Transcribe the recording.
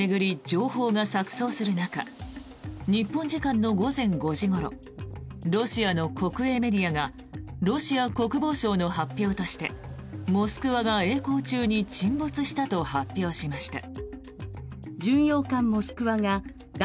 情報が錯そうする中日本時間の午前５時ごろロシアの国営メディアがロシア国防省の発表として「モスクワ」がえい航中に沈没したと発表しました。